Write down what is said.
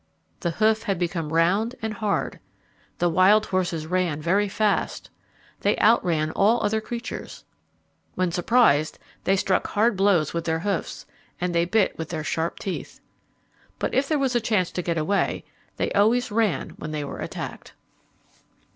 The hoof had become round and hard. The wild horses ran very fast. They outran all other creatures. When surprised, they struck hard blows with their hoofs, and they bit with their sharp teeth. But if there was a chance to get away, they always ran when they were attacked.